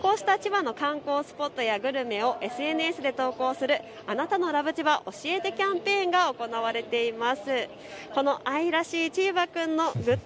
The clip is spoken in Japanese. こうした千葉の観光スポットやグルメをＳＮＳで投稿するあなたのラブちば教えてキャンペーンが行われています。